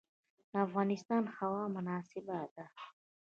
د افغانستان هوا مناسبه ده.